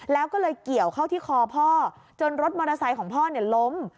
แล้วก็เลยเกี่ยวเข้าที่คอพ่อจนรถมอเตอร์ไซค์ของพ่อล้ม